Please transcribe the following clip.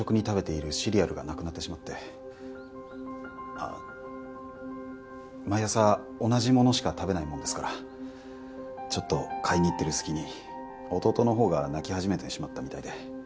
あっ毎朝同じものしか食べないものですからちょっと買いに行ってる隙に弟のほうが泣き始めてしまったみたいで。